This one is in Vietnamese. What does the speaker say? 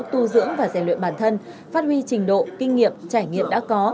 tu dưỡng và giải luyện bản thân phát huy trình độ kinh nghiệm trải nghiệm đã có